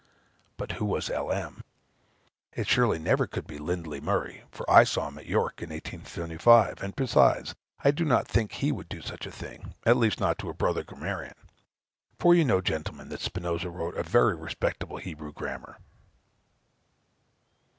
But who was L.M.? It surely never could be Lindley Murray; for I saw him at York in 1825; and besides, I do not think he Would do such a thing; at least, not to a brother grammarian: for you know, gentlemen, that Spinosa wrote a very respectable Hebrew grammar.